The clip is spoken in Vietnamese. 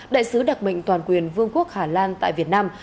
đại sứ đặc mệnh toàn quyền vương quốc hà lan tại việt nam